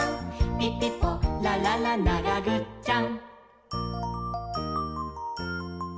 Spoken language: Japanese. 「ピピポラララながぐっちゃん！！」